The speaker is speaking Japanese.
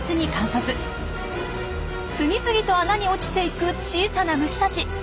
次々と穴に落ちていく小さな虫たち。